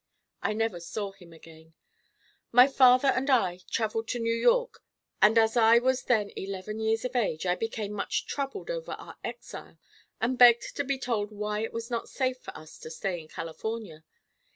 I never saw him again. My father and I traveled to New York and as I was then eleven years of age I became much troubled over our exile and begged to be told why it was not safe for us to stay in California.